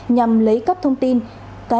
nhằm lấy các thông tin cá nhân và thông tin tài khoản